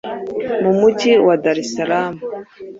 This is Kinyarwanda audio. mu Mujyi wa Dar es Salaam